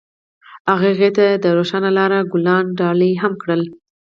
هغه هغې ته د روښانه لاره ګلان ډالۍ هم کړل.